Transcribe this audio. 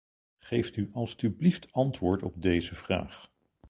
Geeft u alstublieft antwoord op deze vraag.